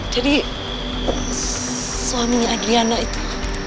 jadi suaminya adriana itu